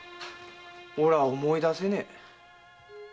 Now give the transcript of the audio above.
おら思いだせねえ。